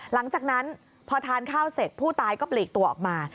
หลังจากนั้นพอทานข้าวเสร็จผู้ตายก็ปลีกตัวออกมา